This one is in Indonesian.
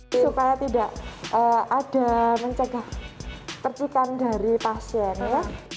supaya tidak ada mencegah tercikan dari pasiennya